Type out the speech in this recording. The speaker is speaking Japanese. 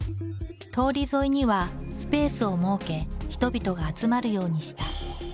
通り沿いにはスペースを設け人々が集まるようにした。